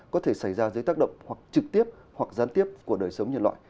có thể xảy ra dưới tác động hoặc trực tiếp hoặc gián tiếp của đời sống nhân loại